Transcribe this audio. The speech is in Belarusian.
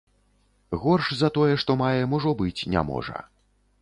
Горш за тое, што маем, ужо быць не можа.